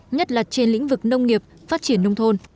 nhất là trên lĩnh vực nông nghiệp phát triển nông thôn